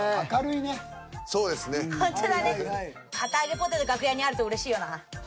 ポテト楽屋にあるとうれしいよな。